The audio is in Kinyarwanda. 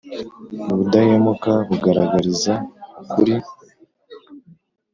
Ubudahemuka bugaragariza ukuri.